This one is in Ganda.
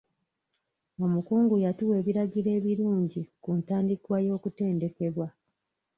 Omukungu yatuwa ebiragiro ebirungi ku ntandikwa y'okutendekebwa.